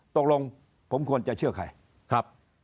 ตกลงผมควรจะเชื่อใคร